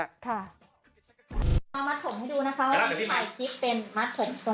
เอามาส่งให้ดูนะคะว่ามีไหมคลิปเป็นมัดเก็บ